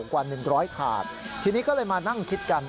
กว่า๑๐๐ถาดทีนี้ก็เลยมานั่งคิดกัน